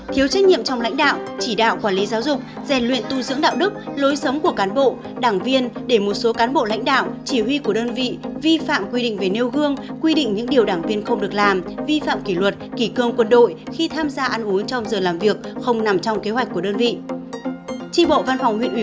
thiếu trách nhiệm trong lãnh đạo chỉ đạo quản lý giáo dục rèn luyện tu dưỡng đạo đức lối sống của cán bộ đảng viên để một số cán bộ lãnh đạo chỉ huy của đơn vị vi phạm quy định về nêu gương quy định những điều đảng viên không được làm vi phạm kỷ luật kỷ cương quân đội khi tham gia ăn uống trong giờ làm việc không nằm trong kế hoạch của đơn vị